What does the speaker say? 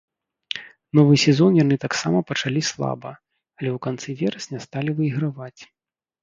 Новы сезон яны таксама пачалі слаба, але ў канцы верасня сталі выйграваць.